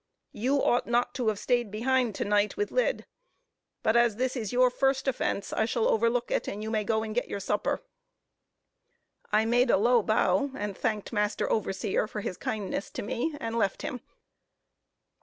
You ought not to have staid behind to night with Lyd; but as this is your first offence, I shall overlook it, and you may go and get your supper." I made a low bow, and thanked master overseer for his kindness to me, and left him.